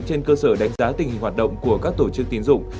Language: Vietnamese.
trên cơ sở đánh giá tình hình hoạt động của các tổ chức tín dụng